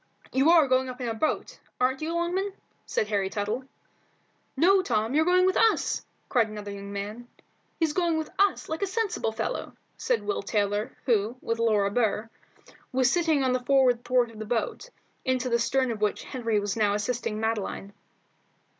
"You are going up in our boat, ain't you, Longman?" said Harry Tuttle. "No, Tom, you're going with us," cried another young man. "He's going with us, like a sensible fellow," said Will Taylor, who, with Laura Burr, was sitting on the forward thwart of the boat, into the stern of which Henry was now assisting Madeline.